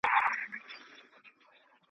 نه د عقل نه د کار وه نه د کور وه .